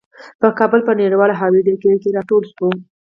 په کابل په نړیوال هوايي ډګر کې راټول شوو.